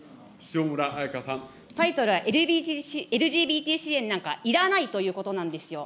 タイトルは、ＬＧＢＴ支援なんかいらないということなんですよ。